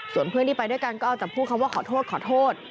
ส่วนเพื่อนที่ไปด้วยกันก็เอาแต่พูดคำว่าขอโทษขอโทษ